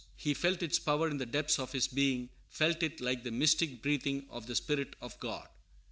He felt its power in the depths of his being, felt it like the mystic breathing of the Spirit of God."